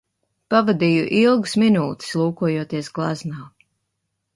Pavadīju ilgas minūtes, lūkojoties gleznā.